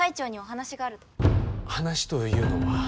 話というのは？